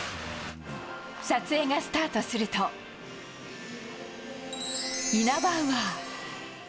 撮影がスタートすると、イナバウアー。